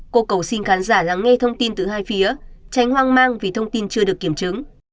cô cầu xin khán giả lắng nghe thông tin từ hai phía tránh hoang mang vì thông tin chưa được kiểm chứng